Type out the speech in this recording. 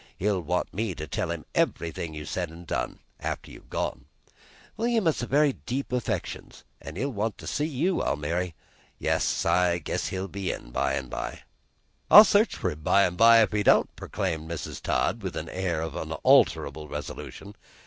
He'll want me to tell him everything you said and done, after you've gone. William has very deep affections. He'll want to see you, Almiry. Yes, I guess he'll be in by an' by." "I'll search for him by 'n' by, if he don't," proclaimed Mrs. Todd, with an air of unalterable resolution.